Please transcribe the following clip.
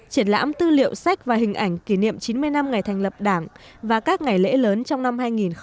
triển lãm tư liệu sách và hình ảnh kỷ niệm chín mươi năm ngày thành lập đảng và các ngày lễ lớn trong năm hai nghìn một mươi chín